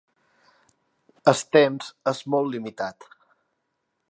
El temps és molt limitat.